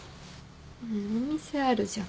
お店あるじゃん。